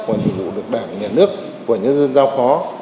và nhu hữu được đảng nhà nước và nhân dân giao khó